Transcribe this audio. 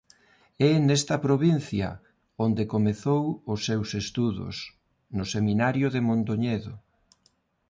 É nesta provincia onde comezou os seus estudos no Seminario de Mondoñedo.